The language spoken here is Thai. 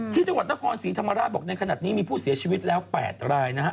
ที่จังหวัดนครศรีธรรมราชบอกในขณะนี้มีผู้เสียชีวิตแล้ว๘รายนะฮะ